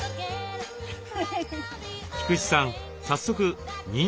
菊池さん